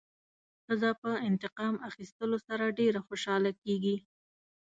ښځه په انتقام اخیستلو سره ډېره خوشحاله کېږي.